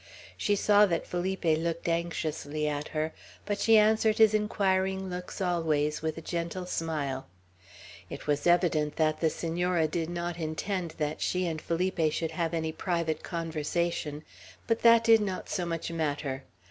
She saw that Felipe looked anxiously at her, but she answered his inquiring looks always with a gentle smile. It was evident that the Senora did not intend that she and Felipe should have any private conversation; but that did not so much matter.